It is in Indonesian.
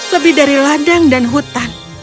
lebih dari ladang dan hutan